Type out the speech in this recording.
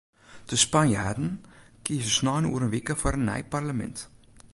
De Spanjaarden kieze snein oer in wike in nij parlemint.